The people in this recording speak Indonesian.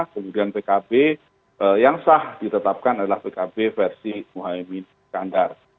kemudian pkb yang sah ditetapkan adalah pkb versi muhaymin skandar